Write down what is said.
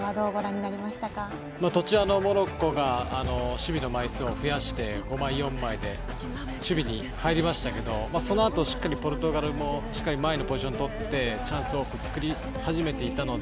途中、モロッコが守備の枚数を増やして５枚、４枚で守備に入りましたけどそのあとポルトガルもしっかり前のポジションとってチャンスを多く作り始めていたので。